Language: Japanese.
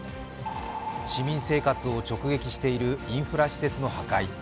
市民生活を直撃しているインフラ施設の破壊。